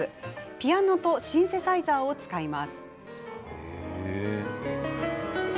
ピアノとシンセサイザーを使います。